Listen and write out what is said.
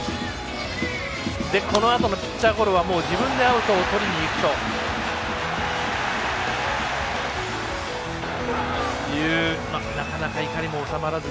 このあとのピッチャーゴロは自分でアウトをとりに行くいうなかなか怒りも収まらず。